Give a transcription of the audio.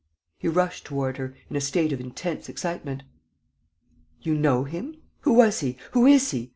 He rushed toward her, in a state of intense excitement: "You know him? Who was he? Who is he?